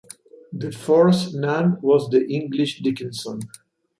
The fourth nun was the English Dickinson.